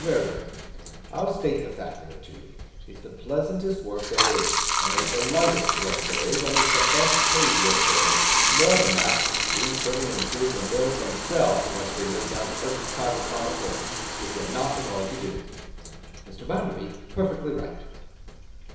Very good. I'll state the fact of it to you. It's the pleasantest work there is, and it's the lightest work there is, and it's the best paid work there is. More than that, we couldn't improve the mills themselves, unless we laid down Turkey carpets on the floors. Which we're not a going to do.' 'Mr. Bounderby, perfectly right.